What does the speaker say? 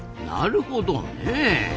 なるほどねえ。